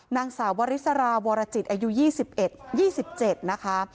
นางสาววริสราวรจิตอายุ๒๑๒๗นะคะ